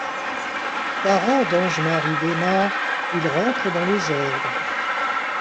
Parent d'Ange Marie d'Eymar, il rentre dans les ordres.